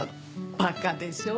バカでしょ？